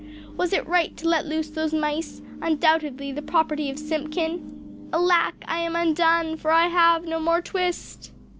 Was it right to let loose those mice, undoubtedly the property of Simpkin? Alack, I am undone, for I have no more twist!"